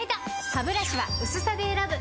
ハブラシは薄さで選ぶ！